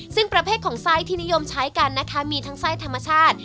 ซึ่งประเภทของไส้ที่นิยมใช้กันนะคะมีทั้งไส้ธรรมชาติ